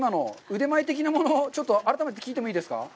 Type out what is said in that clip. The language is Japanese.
腕前的なもの、ちょっと聞いていいですか。